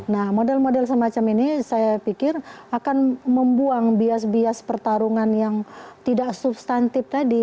nah model model semacam ini saya pikir akan membuang bias bias pertarungan yang tidak substantif tadi